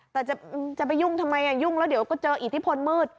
แต่จะไปยุ่งทำไมยุ่งแล้วเดี๋ยวก็เจออิทธิพลมืด